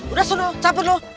udah sudah cabut lo